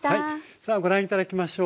さあご覧頂きましょう。